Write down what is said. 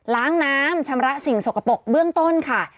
ล้างน้ำชำระสิ่งสกปรกเบื้องต้นค่ะ